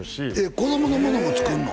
子供のものも作るの？